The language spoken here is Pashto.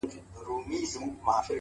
خو هغه ليونۍ وايي ـ